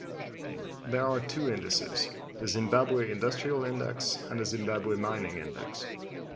There are two indices, the Zimbabwe Industrial Index and the Zimbabwe Mining Index.